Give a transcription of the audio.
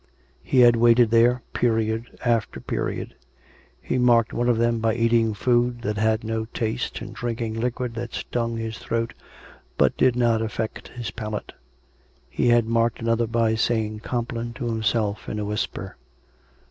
He had waited there, period after period; he marked one of them by eating food that had no taste and drinking liquid that stung his throat but did not COME RACK! COME ROPE! 309 affect his palate; he had marked another by saying com pline to himself in a whisper.